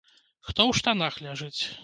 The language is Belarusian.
Хто ў штанах ляжыць?